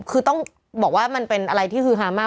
คือต้องบอกว่ามันเป็นอะไรที่ฮือฮามาก